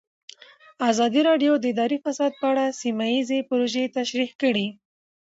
ازادي راډیو د اداري فساد په اړه سیمه ییزې پروژې تشریح کړې.